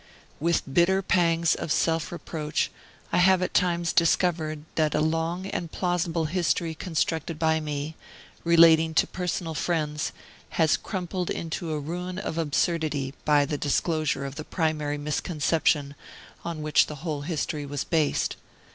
With bitter pangs of self reproach I have at times discovered that a long and plausible history constructed by me, relating to personal friends, has crumpled into a ruin of absurdity, by the disclosure of the primary misconception on which the whole history was based.